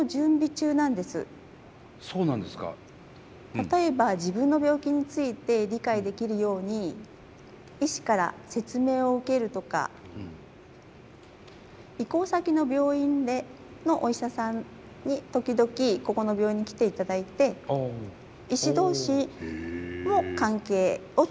例えば自分の病気について理解できるように医師から説明を受けるとか移行先の病院のお医者さんに時々ここの病院に来ていただいて医師同士も関係を作るというような準備です。